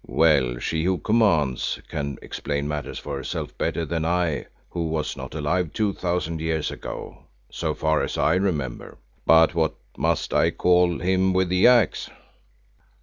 "Well, She who commands can explain matters for herself better than I who was not alive two thousand years ago, so far as I remember. But what must I call him with the Axe?"